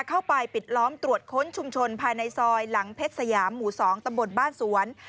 เข้าไปปิดล้อมตรวจค้นชุมชนภายในซอยหลังเพชรสยามหมู่๒ตำบลบ้านสวน